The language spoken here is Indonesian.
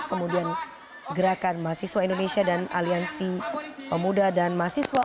kemudian gerakan mahasiswa indonesia dan aliansi pemuda dan mahasiswa